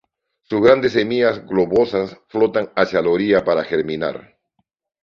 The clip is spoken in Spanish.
Sus grandes semillas globosas flotan hacia las orilla para germinar.